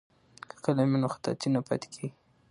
که قلم وي نو خطاطي نه پاتې کیږي.